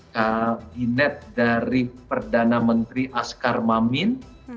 kabinet dari perdana menteri askar mamin